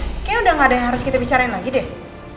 kayaknya udah gak ada yang harus kita bicarain lagi deh